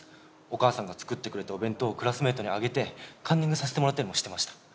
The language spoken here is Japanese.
お母さんが作ってくれたお弁当をクラスメイトにあげてカンニングさせてもらったりもしてました。